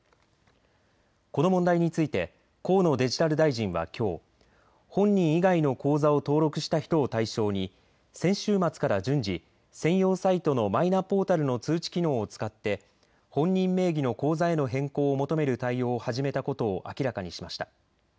この問題について河野デジタル大臣はきょう本人以外の口座を登録した人を対象に先週末から順次、専用サイトのマイナポータルの通知機能を使って本人名義の口座への変更を求める対応を始めたことを明らかにしました。